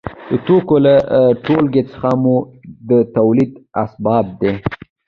د توکو له ټولګې څخه موخه د تولید اسباب دي.